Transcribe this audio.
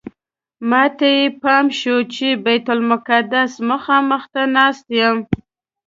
ماته یې پام شو چې بیت المقدس ته مخامخ ناست یم.